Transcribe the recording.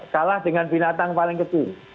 kalah dengan binatang paling kecil